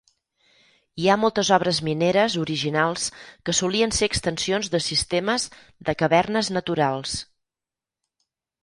Hi ha moltes obres mineres originals que solien ser extensions de sistemes de cavernes naturals.